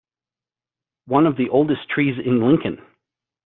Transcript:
One of the oldest trees in Lincoln.